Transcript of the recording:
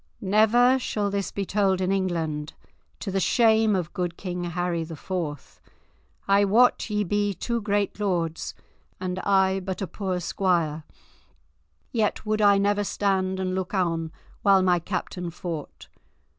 "Never shall this be told in England, to the shame of good King Harry the Fourth. I wot ye be two great lords, and I but a poor squire, yet would I never stand and look on while my captain fought.